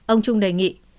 ông trung đề nghị